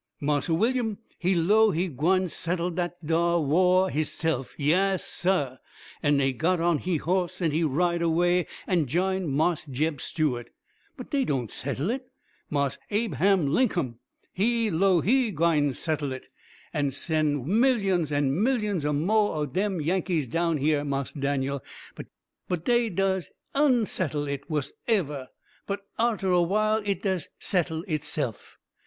"Marse Willyum, he 'low HE gwine settle dat dar wah he se'f yass, SAH! An' he got on he hoss, and he ride away an' jine Marse Jeb Stuart. But dey don' settle hit. Marse Ab'ham Linkum, he 'low HE gwine settle hit, an' sen' millyums an' millyums mo' o' dem Yankees down hyah, Marse Daniel. But dey des ONsettle hit wuss'n evah! But arter a while it des settle HITse'f.